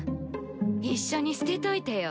一緒に捨てといてよ。